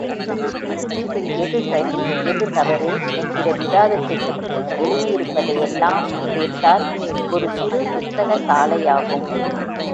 இதில் எது சரி, எது தவறு என்கிற விவாதத்தைப்பற்றி எழுதியிருப்பதை யெல்லாம் சேர்த்தால் ஒரு சிறு புஸ்தக சாலையாகும்!